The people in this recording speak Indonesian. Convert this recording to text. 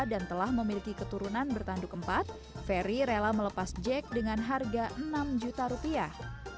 dan telah memiliki keturunan bertanduk empat ferry rela melepas jack dengan harga enam juta rupiah